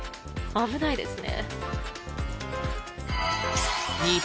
危ないですね。